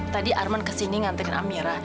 tadi arman kesini ngantekin amira